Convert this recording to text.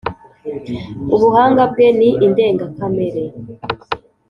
Ubuhanga bwe ni indengakamere